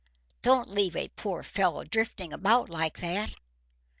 Don't leave a poor fellow drifting about like that."